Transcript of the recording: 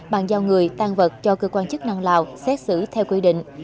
bàn giao người tan vật cho cơ quan chức năng lào xét xử theo quy định